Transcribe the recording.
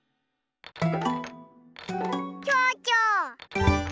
ちょうちょ。